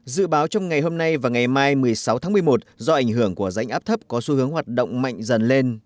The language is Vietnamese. dự báo trong ngày hôm nay và ngày mai một mươi sáu tháng một mươi một do ảnh hưởng của rãnh áp thấp có xu hướng hoạt động mạnh dần lên